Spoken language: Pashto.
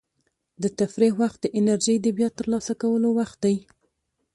د تفریح وخت د انرژۍ د بیا ترلاسه کولو وخت دی.